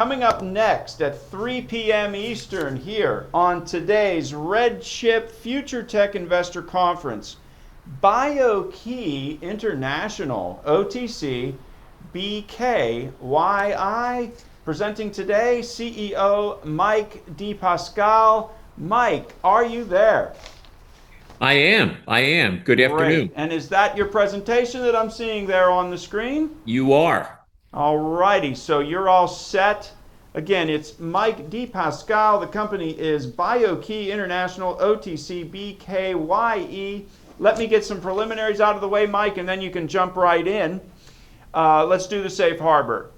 Coming up next at 3:00 P.M. Eastern here on today's RedChip Future Tech Investor Conference, BIO-key International, OTC BKYE. Presenting today, CEO Mike DePasquale. Mike, are you there? I am. Good afternoon. Great. Is that your presentation that I'm seeing there on the screen? You are. All righty. You're all set. Again, it's Mike DePasquale. The company is BIO-key International, OTC BKYE. Let me get some preliminaries out of the way, Mike, and then you can jump right in. Let's do the safe harbor.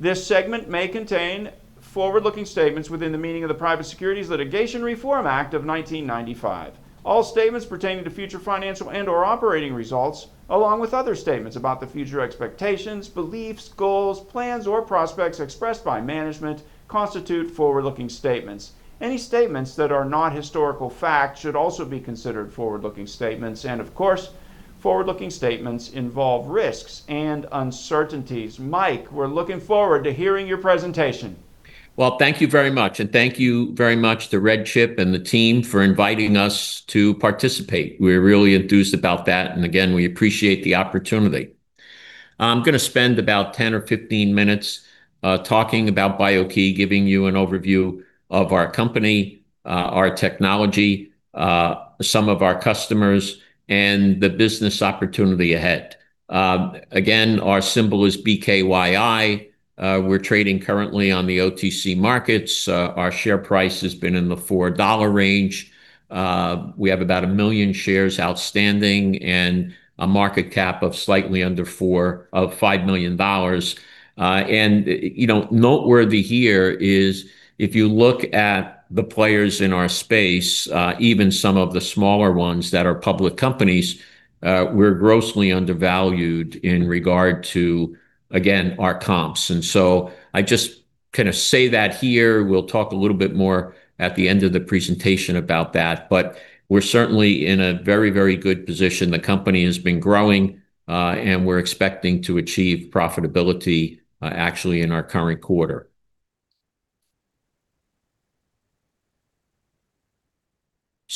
This segment may contain forward-looking statements within the meaning of the Private Securities Litigation Reform Act of 1995. All statements pertaining to future financial and/or operating results, along with other statements about the future expectations, beliefs, goals, plans, or prospects expressed by management, constitute forward-looking statements. Any statements that are not historical facts should also be considered forward-looking statements. Of course, forward-looking statements involve risks and uncertainties. Mike, we're looking forward to hearing your presentation. Thank you very much, and thank you very much to RedChip and the team for inviting us to participate. We're really enthused about that. Again, we appreciate the opportunity. I'm going to spend about 10 or 15 minutes talking about BIO-key, giving you an overview of our company, our technology, some of our customers, and the business opportunity ahead. Again, our symbol is BKYE. We're trading currently on the OTC markets. Our share price has been in the $4 range. We have about a million shares outstanding and a market cap of slightly under $4 million or $5 million. Noteworthy here is if you look at the players in our space, even some of the smaller ones that are public companies, we're grossly undervalued in regard to, again, our comps. I just say that here. We'll talk a little bit more at the end of the presentation about that. We're certainly in a very good position. The company has been growing. We're expecting to achieve profitability actually in our current quarter.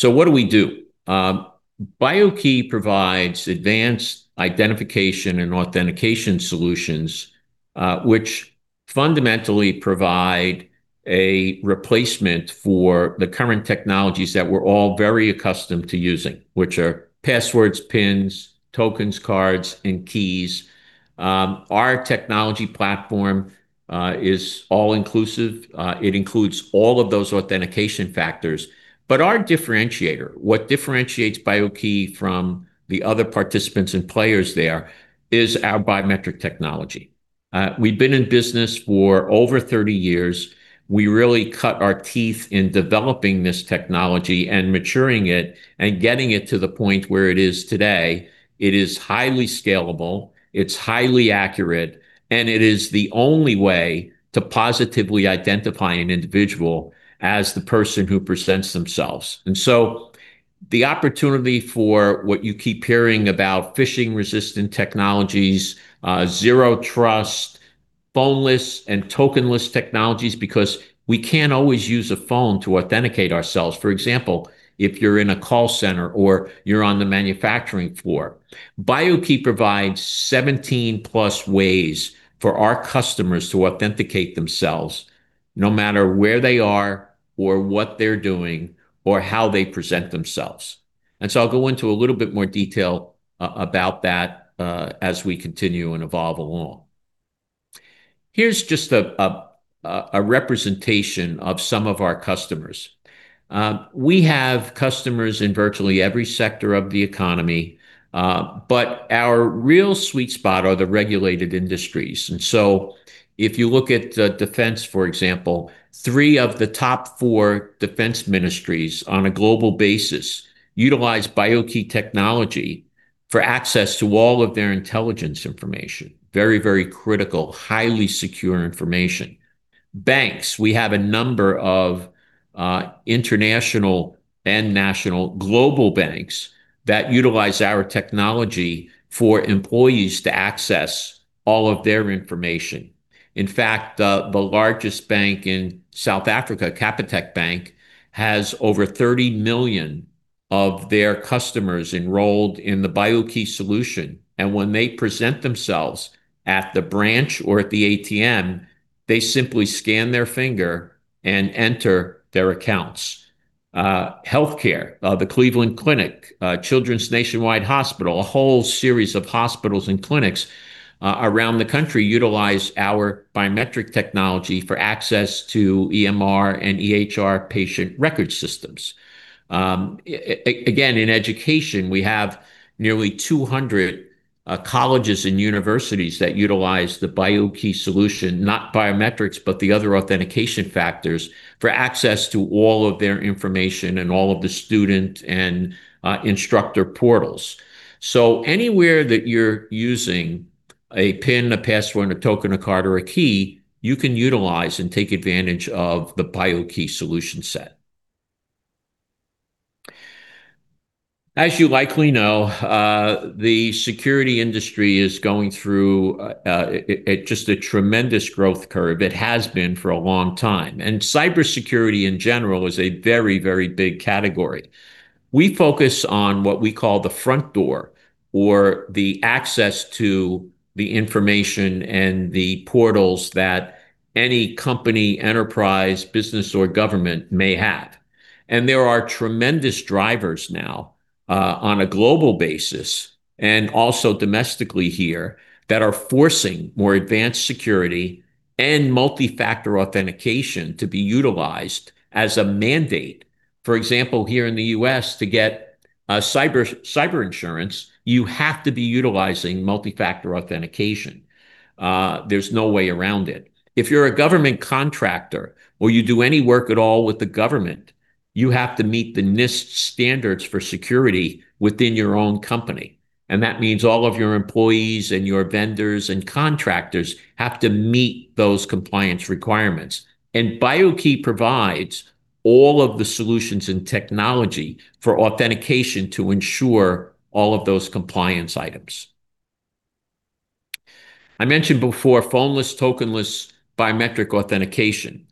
What do we do? BIO-key provides advanced identification and authentication solutions, which fundamentally provide a replacement for the current technologies that we're all very accustomed to using, which are passwords, pins, tokens, cards, and keys. Our technology platform is all-inclusive. It includes all of those authentication factors. Our differentiator, what differentiates BIO-key from the other participants and players there is our biometric technology. We've been in business for over 30 years. We really cut our teeth in developing this technology and maturing it and getting it to the point where it is today. It is highly scalable, it's highly accurate, and it is the only way to positively identify an individual as the person who presents themselves. The opportunity for what you keep hearing about phishing-resistant technologies, zero trust, phoneless and tokenless technologies, because we can't always use a phone to authenticate ourselves. For example, if you're in a call center or you're on the manufacturing floor. BIO-key provides 17+ ways for our customers to authenticate themselves no matter where they are or what they're doing or how they present themselves. I'll go into a little bit more detail about that as we continue and evolve along. Here's just a representation of some of our customers. We have customers in virtually every sector of the economy. Our real sweet spot are the regulated industries. If you look at defense, for example, three of the top four defense ministries on a global basis utilize BIO-key technology for access to all of their intelligence information. Very critical, highly secure information. Banks, we have a number of international and national global banks that utilize our technology for employees to access all of their information. In fact, the largest bank in South Africa, Capitec Bank, has over 30 million of their customers enrolled in the BIO-key solution. When they present themselves at the branch or at the ATM, they simply scan their finger and enter their accounts. Healthcare, the Cleveland Clinic, Nationwide Children's Hospital, a whole series of hospitals and clinics around the country utilize our biometric technology for access to EMR and EHR patient record systems. Again, in education, we have nearly 200 colleges and universities that utilize the BIO-key solution, not biometrics, but the other authentication factors for access to all of their information and all of the student and instructor portals. Anywhere that you're using a PIN, a password, a token, a card, or a key, you can utilize and take advantage of the BIO-key solution set. As you likely know, the security industry is going through just a tremendous growth curve. It has been for a long time. Cybersecurity in general is a very, very big category. We focus on what we call the front door or the access to the information and the portals that any company, enterprise, business, or government may have. There are tremendous drivers now on a global basis and also domestically here that are forcing more advanced security and multi-factor authentication to be utilized as a mandate. For example, here in the U.S., to get cyber insurance, you have to be utilizing multi-factor authentication. There's no way around it. If you're a government contractor or you do any work at all with the government, you have to meet the NIST standards for security within your own company, and that means all of your employees and your vendors and contractors have to meet those compliance requirements. BIO-key provides all of the solutions and technology for authentication to ensure all of those compliance items. I mentioned before phoneless tokenless biometric authentication.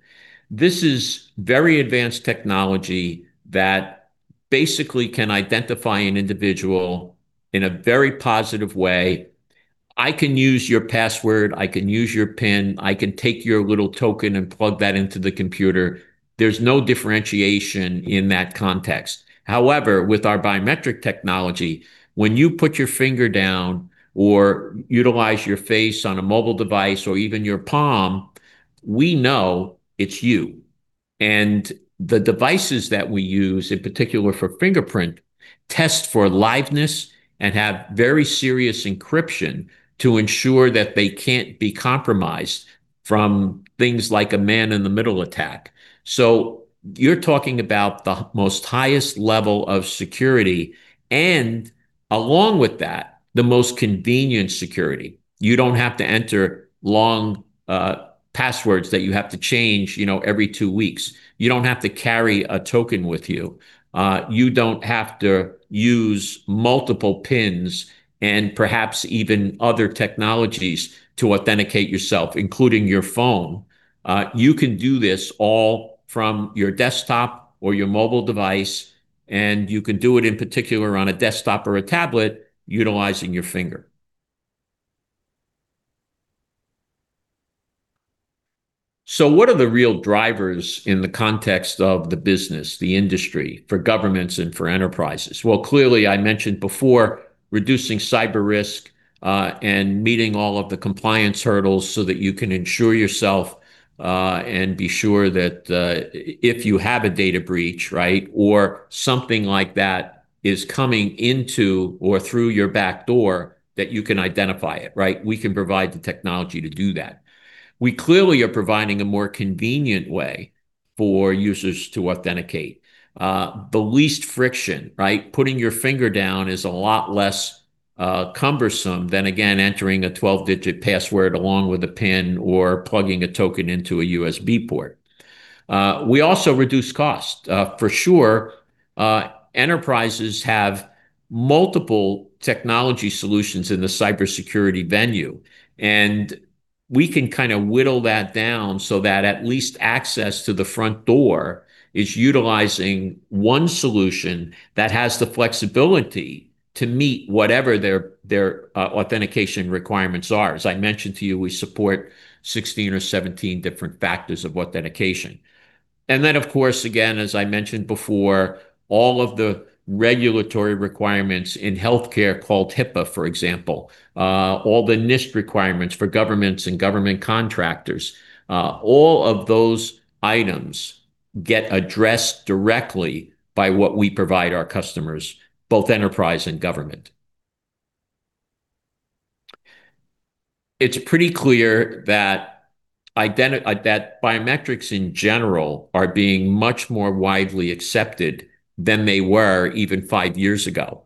This is very advanced technology that basically can identify an individual in a very positive way. I can use your password, I can use your PIN, I can take your little token and plug that into the computer. There's no differentiation in that context. However, with our biometric technology, when you put your finger down or utilize your face on a mobile device or even your palm, we know it's you. The devices that we use, in particular for fingerprint, test for liveness and have very serious encryption to ensure that they can't be compromised from things like a man-in-the-middle attack. You're talking about the most highest level of security, and along with that, the most convenient security. You don't have to enter long passwords that you have to change every two weeks. You don't have to carry a token with you. You don't have to use multiple PINs and perhaps even other technologies to authenticate yourself, including your phone. You can do this all from your desktop or your mobile device, and you can do it in particular on a desktop or a tablet utilizing your finger. What are the real drivers in the context of the business, the industry, for governments and for enterprises? Clearly, I mentioned before reducing cyber risk, and meeting all of the compliance hurdles so that you can insure yourself, and be sure that if you have a data breach, right, or something like that is coming into or through your back door, that you can identify it, right? We can provide the technology to do that. We clearly are providing a more convenient way for users to authenticate. The least friction, right? Putting your finger down is a lot less cumbersome than again entering a 12-digit password along with a PIN or plugging a token into a USB port. We also reduce cost. For sure, enterprises have multiple technology solutions in the cybersecurity venue, and we can whittle that down so that at least access to the front door is utilizing one solution that has the flexibility to meet whatever their authentication requirements are. As I mentioned to you, we support 16 or 17 different factors of authentication. Of course, again, as I mentioned before, all of the regulatory requirements in healthcare called HIPAA, for example, all the NIST requirements for governments and government contractors, all of those items get addressed directly by what we provide our customers, both enterprise and government. It's pretty clear that biometrics in general are being much more widely accepted than they were even five years ago.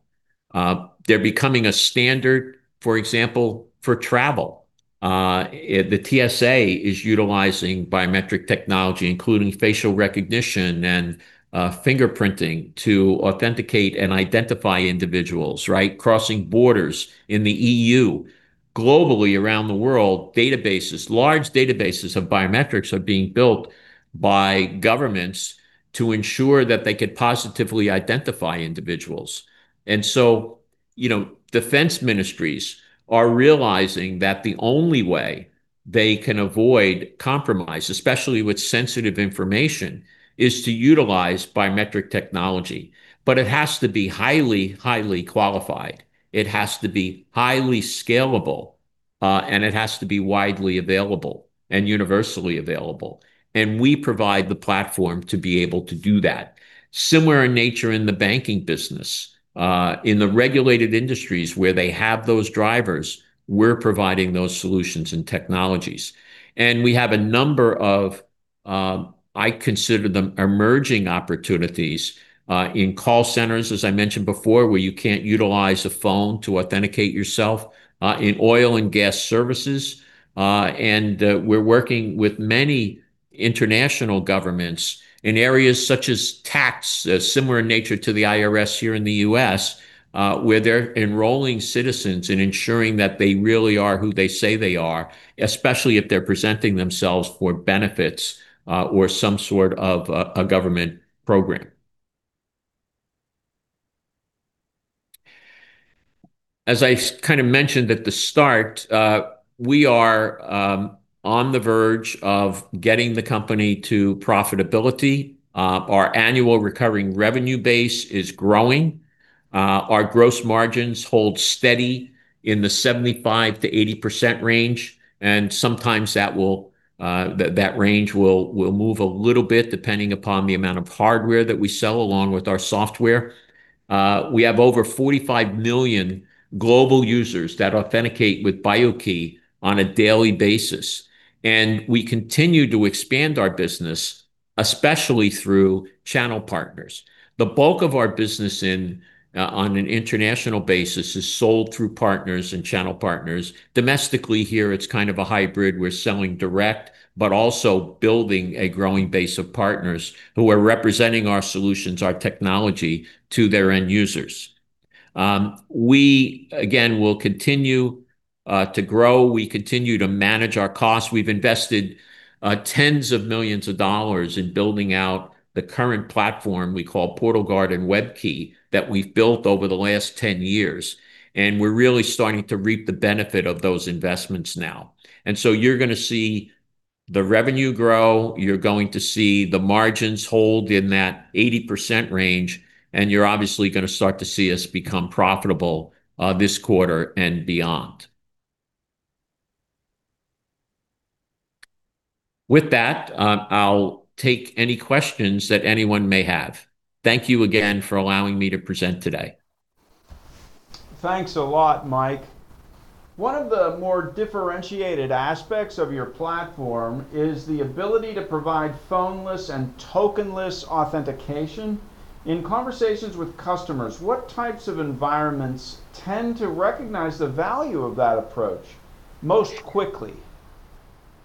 They're becoming a standard, for example, for travel. The TSA is utilizing biometric technology, including facial recognition and fingerprinting, to authenticate and identify individuals, right? Crossing borders in the EU. Globally around the world, large databases of biometrics are being built by governments to ensure that they could positively identify individuals. Defense ministries are realizing that the only way they can avoid compromise, especially with sensitive information, is to utilize biometric technology. It has to be highly qualified. It has to be highly scalable. It has to be widely available and universally available. We provide the platform to be able to do that. Similar in nature in the banking business. In the regulated industries where they have those drivers, we're providing those solutions and technologies. We have a number of, I consider them emerging opportunities, in call centers, as I mentioned before, where you can't utilize a phone to authenticate yourself, in oil and gas services. We're working with many international governments in areas such as tax, similar in nature to the IRS here in the U.S., where they're enrolling citizens and ensuring that they really are who they say they are, especially if they're presenting themselves for benefits or some sort of a government program. As I mentioned at the start, we are on the verge of getting the company to profitability. Our annual recurring revenue base is growing. Our gross margins hold steady in the 75%-80% range, and sometimes that range will move a little bit depending upon the amount of hardware that we sell, along with our software. We have over 45 million global users that authenticate with BIO-key on a daily basis, and we continue to expand our business, especially through channel partners. The bulk of our business on an international basis is sold through partners and channel partners. Domestically here, it's kind of a hybrid. We're selling direct, but also building a growing base of partners who are representing our solutions, our technology to their end users. We, again, will continue to grow. We continue to manage our costs. We've invested tens of millions of dollars in building out the current platform we call PortalGuard and WEB-key that we've built over the last 10 years, and we're really starting to reap the benefit of those investments now. You're going to see the revenue grow, you're going to see the margins hold in that 80% range, and you're obviously going to start to see us become profitable this quarter and beyond. With that, I'll take any questions that anyone may have. Thank you again for allowing me to present today. Thanks a lot, Mike. One of the more differentiated aspects of your platform is the ability to provide phoneless and tokenless authentication. In conversations with customers, what types of environments tend to recognize the value of that approach most quickly?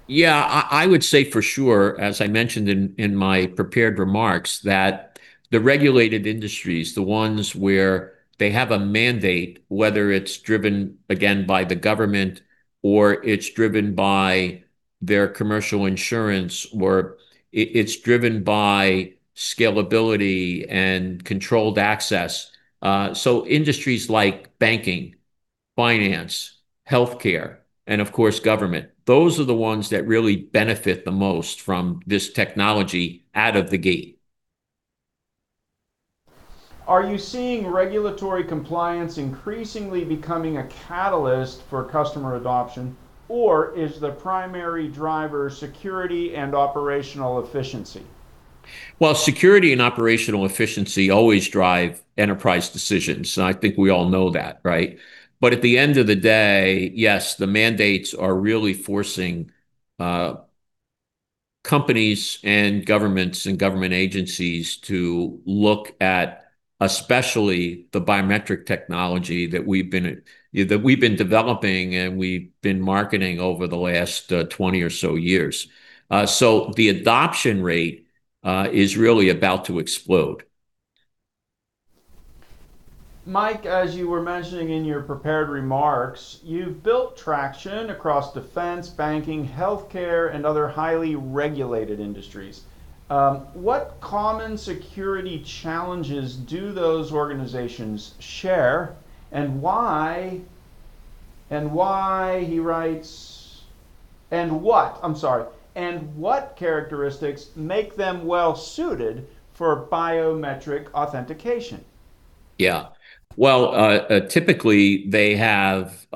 I would say for sure, as I mentioned in my prepared remarks, that the regulated industries, the ones where they have a mandate, whether it's driven, again, by the government, or it's driven by their commercial insurance, or it's driven by scalability and controlled access. Industries like banking, finance, healthcare, and of course, government, those are the ones that really benefit the most from this technology out of the gate. Are you seeing regulatory compliance increasingly becoming a catalyst for customer adoption, or is the primary driver security and operational efficiency? Well, security and operational efficiency always drive enterprise decisions, and I think we all know that, right? At the end of the day, yes, the mandates are really forcing companies and governments and government agencies to look at, especially the biometric technology that we've been developing, and we've been marketing over the last 20 or so years. The adoption rate is really about to explode. Mike, as you were mentioning in your prepared remarks, you've built traction across defense, banking, healthcare, and other highly regulated industries. What common security challenges do those organizations share and why? I'm sorry, what characteristics make them well-suited for biometric authentication? Yeah. Well, typically they have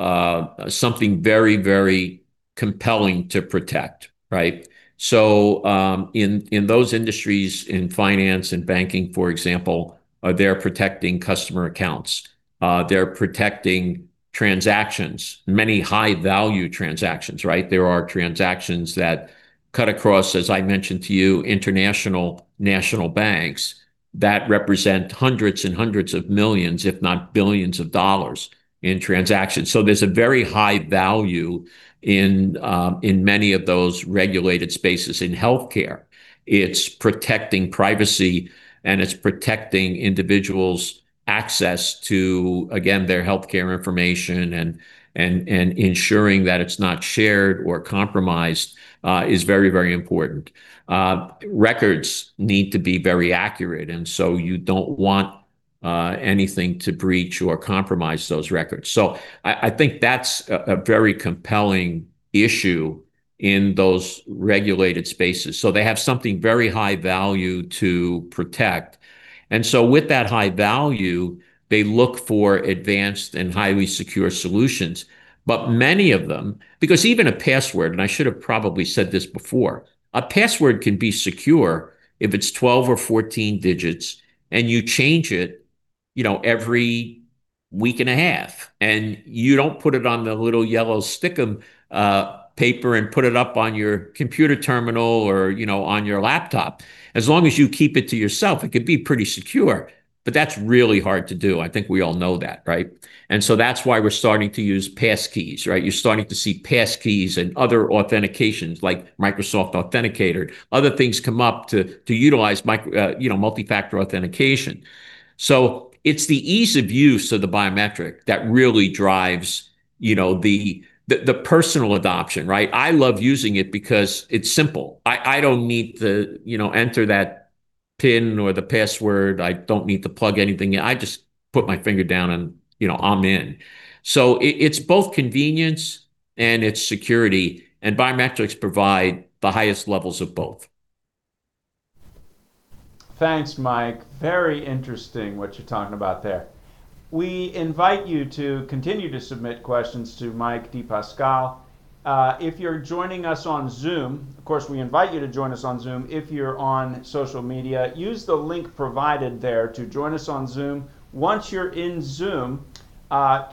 something very compelling to protect, right? In those industries, in finance and banking, for example, they're protecting customer accounts. They're protecting transactions, many high-value transactions, right? There are transactions that cut across, as I mentioned to you, international, national banks that represent hundreds and hundreds of millions, if not billions of dollars in transactions. There's a very high value in many of those regulated spaces. In healthcare, it's protecting privacy, and it's protecting individuals' access to, again, their healthcare information, and ensuring that it's not shared or compromised is very important. Records need to be very accurate, you don't want anything to breach or compromise those records. I think that's a very compelling issue in those regulated spaces. They have something very high value to protect. With that high value, they look for advanced and highly secure solutions. Many of them, because even a password, and I should have probably said this before, a password can be secure if it's 12 or 14 digits and you change it every week and a half. You don't put it on the little yellow stick 'em paper and put it up on your computer terminal or on your laptop. As long as you keep it to yourself, it could be pretty secure, but that's really hard to do. I think we all know that, right? That's why we're starting to use passkeys, right? You're starting to see passkeys and other authentications like Microsoft Authenticator. Other things come up to utilize multi-factor authentication. It's the ease of use of the biometric that really drives the personal adoption, right? I love using it because it's simple. I don't need to enter that PIN or the password. I don't need to plug anything in. I just put my finger down and I'm in. It's both convenience and it's security, and biometrics provide the highest levels of both. Thanks, Mike. Very interesting what you're talking about there. We invite you to continue to submit questions to Mike DePasquale. If you're joining us on Zoom, of course, we invite you to join us on Zoom. If you're on social media, use the link provided there to join us on Zoom. Once you're in Zoom,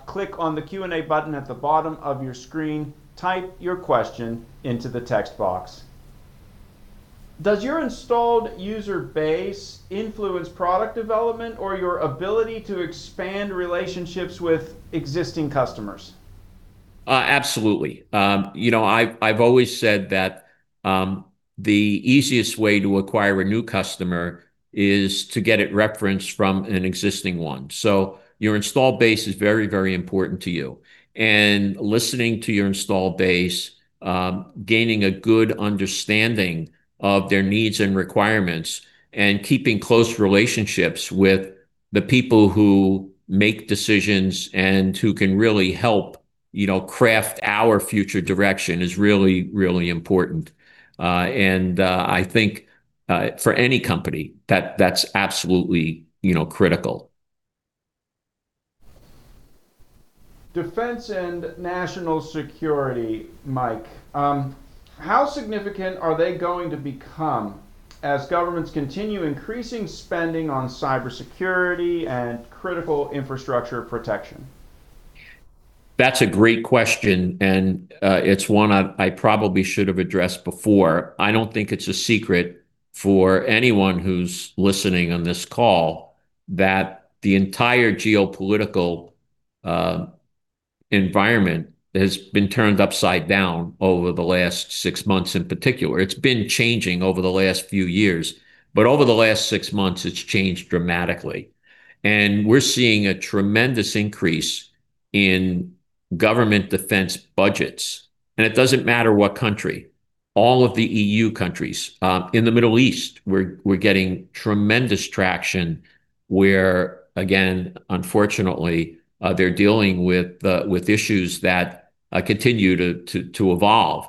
click on the Q&A button at the bottom of your screen, type your question into the text box. Does your installed user base influence product development or your ability to expand relationships with existing customers? Absolutely. I've always said that the easiest way to acquire a new customer is to get it referenced from an existing one. Your install base is very, very important to you. Listening to your install base, gaining a good understanding of their needs and requirements, and keeping close relationships with the people who make decisions and who can really help craft our future direction is really, really important. I think for any company that's absolutely critical. Defense and national security, Mike. How significant are they going to become as governments continue increasing spending on cybersecurity and critical infrastructure protection? That's a great question, and it's one I probably should've addressed before. I don't think it's a secret for anyone who's listening on this call that the entire geopolitical environment has been turned upside down over the last six months in particular. It's been changing over the last few years, but over the last six months, it's changed dramatically. We're seeing a tremendous increase in government defense budgets, and it doesn't matter what country. All of the EU countries. In the Middle East, we're getting tremendous traction where, again, unfortunately, they're dealing with issues that continue to evolve.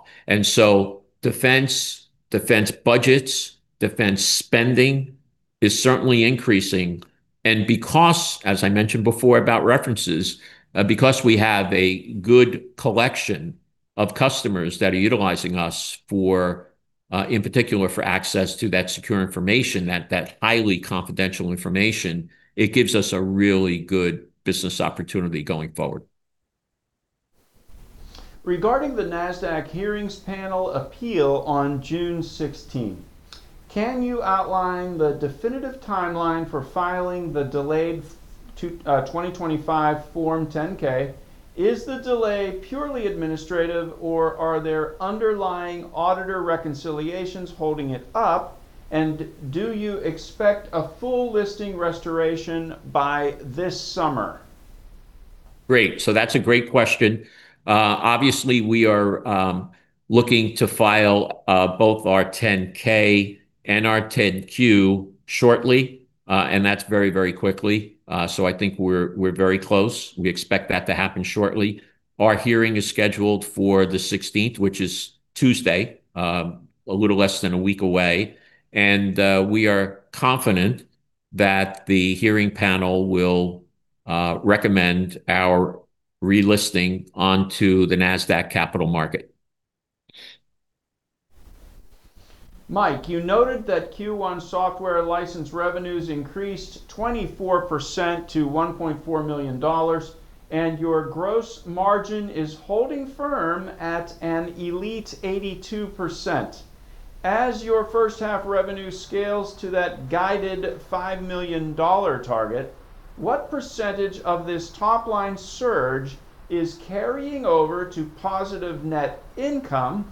Defense budgets, defense spending is certainly increasing, and because, as I mentioned before about references, because we have a good collection of customers that are utilizing us in particular for access to that secure information, that highly confidential information, it gives us a really good business opportunity going forward. Regarding the Nasdaq hearings panel appeal on June 16th, can you outline the definitive timeline for filing the delayed 2025 Form 10-K? Is the delay purely administrative, or are there underlying auditor reconciliations holding it up? Do you expect a full listing restoration by this summer? Great. That's a great question. Obviously, we are looking to file both our 10-K and our 10-Q shortly, and that's very, very quickly. I think we're very close. We expect that to happen shortly. Our hearing is scheduled for the 16th, which is Tuesday, a little less than a week away, and we are confident that the hearing panel will recommend our relisting onto the Nasdaq Capital Market. Mike, you noted that Q1 software license revenues increased 24% to $1.4 million, and your gross margin is holding firm at an elite 82%. As your first half revenue scales to that guided $5 million target, what percentage of this top-line surge is carrying over to positive net income?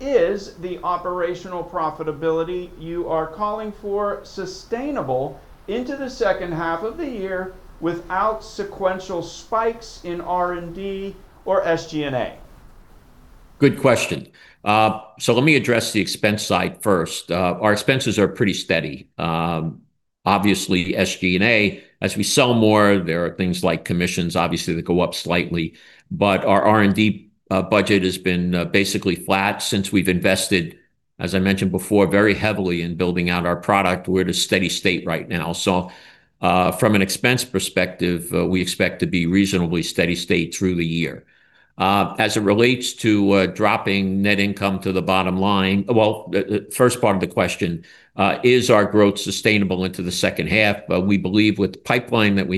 Is the operational profitability you are calling for sustainable into the second half of the year without sequential spikes in R&D or SG&A? Good question. Let me address the expense side first. Our expenses are pretty steady. Obviously, SG&A, as we sell more, there are things like commissions obviously that go up slightly, but our R&D budget has been basically flat since we've invested, as I mentioned before, very heavily in building out our product. We're at a steady state right now. From an expense perspective, we expect to be reasonably steady state through the year. As it relates to dropping net income to the bottom line, the first part of the question, is our growth sustainable into the second half? We believe with the pipeline that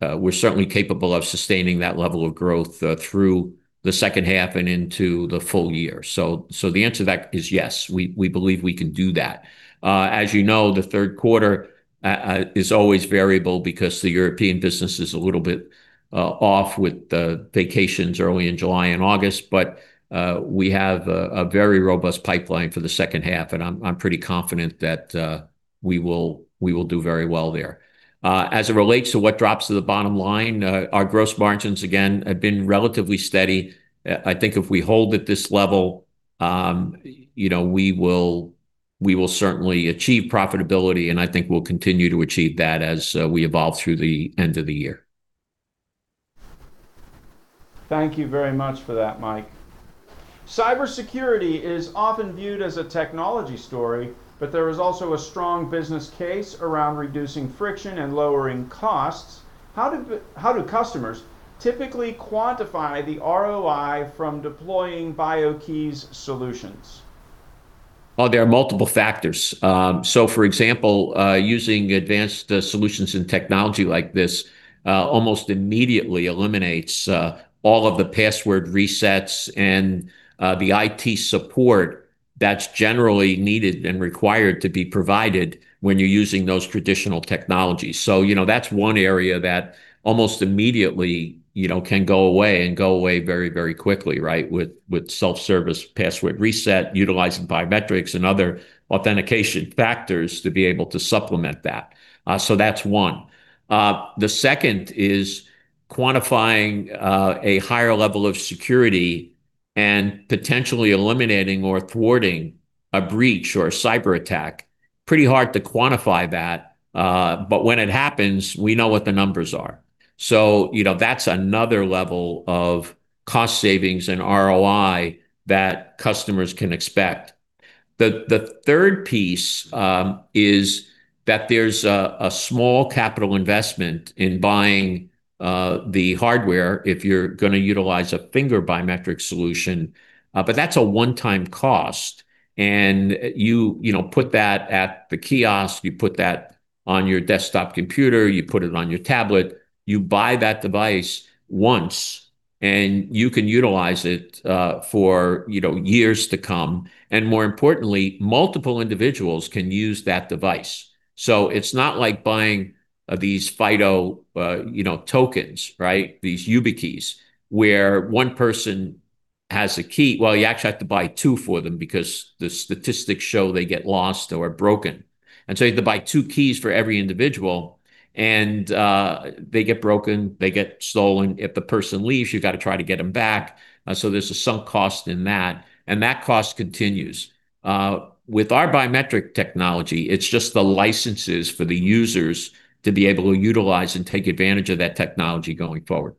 we're certainly capable of sustaining that level of growth through the second half and into the full year. The answer to that is yes, we believe we can do that. You know, the third quarter is always variable because the European business is a little bit off with the vacations early in July and August, but we have a very robust pipeline for the second half, and I'm pretty confident that we will do very well there. It relates to what drops to the bottom line, our gross margins, again, have been relatively steady. I think if we hold at this level, we will certainly achieve profitability, and I think we'll continue to achieve that as we evolve through the end of the year. Thank you very much for that, Mike. Cybersecurity is often viewed as a technology story, but there is also a strong business case around reducing friction and lowering costs. How do customers typically quantify the ROI from deploying BIO-key's solutions? There are multiple factors. For example, using advanced solutions in technology like this almost immediately eliminates all of the password resets and the IT support that's generally needed and required to be provided when you're using those traditional technologies. That's one area that almost immediately can go away, and go away very quickly, with self-service password reset, utilizing biometrics and other authentication factors to be able to supplement that. That's one. The second is quantifying a higher level of security and potentially eliminating or thwarting a breach or a cyber attack. Pretty hard to quantify that, but when it happens, we know what the numbers are. That's another level of cost savings and ROI that customers can expect. The third piece is that there's a small capital investment in buying the hardware if you're going to utilize a finger biometric solution. That's a one-time cost. You put that at the kiosk, you put that on your desktop computer, you put it on your tablet. You buy that device once. You can utilize it for years to come. More importantly, multiple individuals can use that device. It's not like buying these FIDO tokens. These YubiKey, where one person has a key. You actually have to buy two for them because the statistics show they get lost or are broken. You have to buy two keys for every individual. They get broken, they get stolen. If the person leaves, you've got to try to get them back. There's a sunk cost in that. That cost continues. With our biometric technology, it's just the licenses for the users to be able to utilize and take advantage of that technology going forward.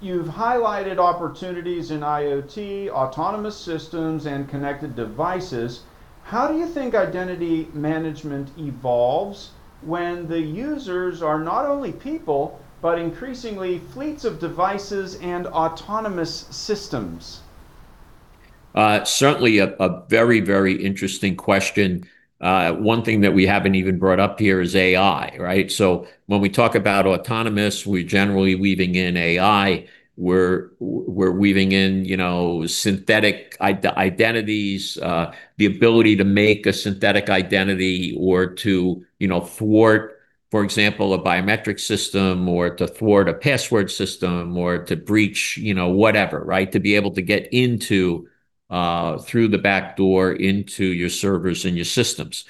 You've highlighted opportunities in IoT, autonomous systems, and connected devices. How do you think identity management evolves when the users are not only people, but increasingly fleets of devices and autonomous systems? Certainly a very interesting question. One thing that we haven't even brought up here is AI. When we talk about autonomous, we're generally weaving in AI. We're weaving in synthetic identities, the ability to make a synthetic identity or to thwart, for example, a biometric system, or to thwart a password system, or to breach whatever. To be able to get in through the back door into your servers and your systems.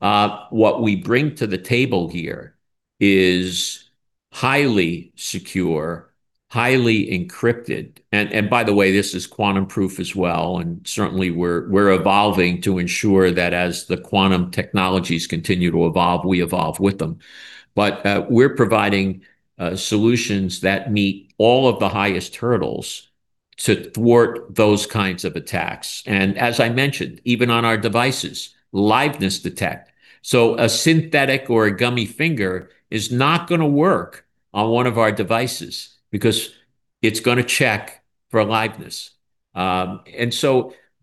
What we bring to the table here is highly secure, highly encrypted. By the way, this is quantum-proof as well. Certainly we're evolving to ensure that as the quantum technologies continue to evolve, we evolve with them. We're providing solutions that meet all of the highest hurdles to thwart those kinds of attacks. As I mentioned, even on our devices, liveness detect. A synthetic or a gummy finger is not going to work on one of our devices because it's going to check for liveness.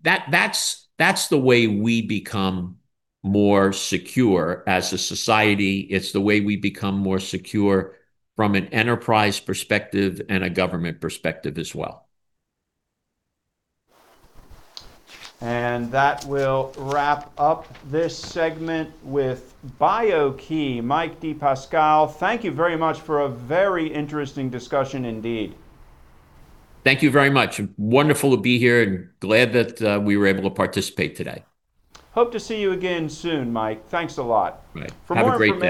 That's the way we become more secure as a society. It's the way we become more secure from an enterprise perspective and a government perspective as well. That will wrap up this segment with BIO-key. Mike DePasquale, thank you very much for a very interesting discussion indeed. Thank you very much. Wonderful to be here, and glad that we were able to participate today. Hope to see you again soon, Mike. Thanks a lot. Right. Have a great one.